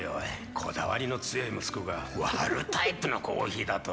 こだわりの強い息子が割るタイプのコーヒーだと？